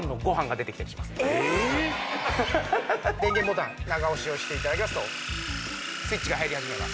電源ボタン長押しをして頂きますとスイッチが入り始めます。